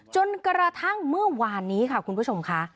จนกระทั่งเมื่อวานนี้ค่ะคุณผู้ชมค่ะ